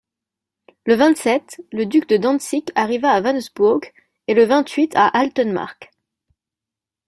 Le vingt-sept, le duc de Dantzick arriva à Wanesburk et le vingt-huit à Altenmarck.